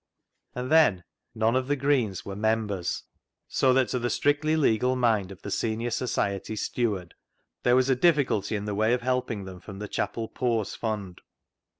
And then, none of the Greens were " mem bers," so that to the strictly legal mind of the senior society steward there was a difficulty in the way of helping them from the chapel poor's fund.